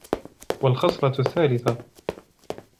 وَالْخَصْلَةُ الثَّالِثَةُ